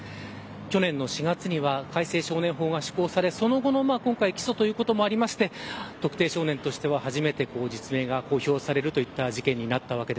去年の４月には改正少年法が施行されその後の起訴ということもあって特定少年としては初めて氏名が公表される事件になりました。